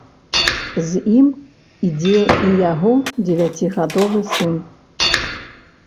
З ім ідзе і яго дзевяцігадовы сын.